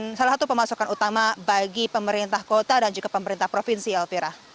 dan salah satu pemasukan utama bagi pemerintah kota dan juga pemerintah provinsi elvira